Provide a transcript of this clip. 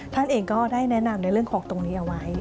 ท่านเองก็ได้แนะนำในเรื่องของตรงนี้เอาไว้